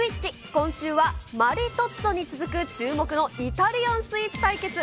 今週はマリトッツォに続く注目のイタリアンスイーツ対決。